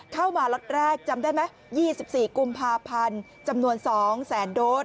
ล็อตแรกจำได้ไหม๒๔กุมภาพันธ์จำนวน๒แสนโดส